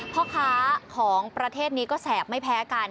พ่อค้าของประเทศนี้ก็แสบไม่แพ้กัน